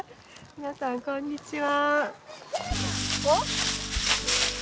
皆さんこんにちは。